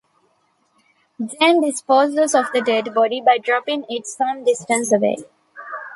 Jane disposes of the dead body by dropping it some distance away.